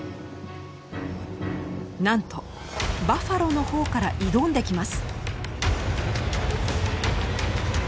なんとバッファローのほうから挑んできます。